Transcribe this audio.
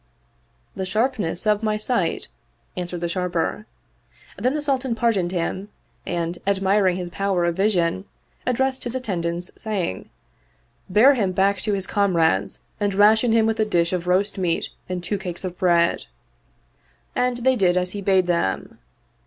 " The sharpness of my sight," answered the Sharper. Then the Sultan pardoned him and, admiring his power of vision, addressed his attendants saying, "Bear him back to his comrades and ration him with a dish of roast meat and two cakes of bread.'* And they did as he bade them.